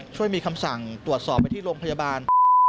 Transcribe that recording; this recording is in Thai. ช่วยมีคำสั่งตรวจสอบไปที่โรงพยาบาล